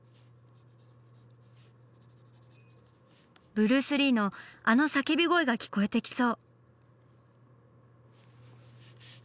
ブルース・リーのあの叫び声が聞こえてきそう。